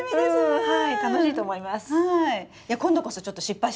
はい。